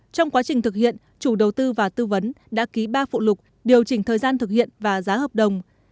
trong quá trình thực hiện chủ đầu tư và tư vấn đã ký ba phụ lục điều chỉnh thời gian thực hiện và giá hợp đồng